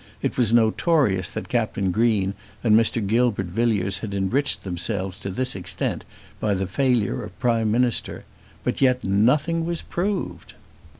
It was notorious that Captain Green and Mr. Gilbert Villiers had enriched themselves to this extent by the failure of Prime Minister. But yet nothing was proved!